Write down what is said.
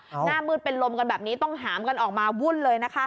หน้ามืดเป็นลมกันแบบนี้ต้องหามกันออกมาวุ่นเลยนะคะ